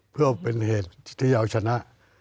เพื่อเป็นเหตุที่เอาชนะ